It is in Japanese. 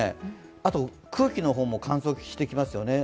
あと、空気も乾燥してきますよね。